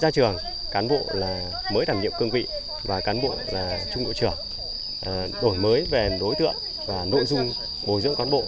đổi mới về đối tượng và nội dung bồi dưỡng quán bộ